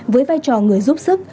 với vai trò người giúp sức